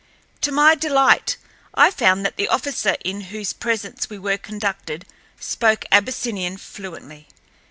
To my delight I found that the officer into whose presence we were conducted spoke Abyssinian fluently.